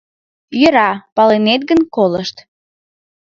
— Йӧра, палынет гын, колышт.